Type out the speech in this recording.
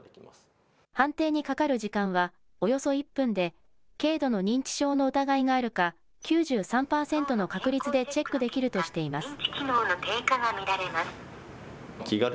判定にかかる時間はおよそ１分で軽度の認知症の疑いがあるか９３％の確率でチェックできるとしています。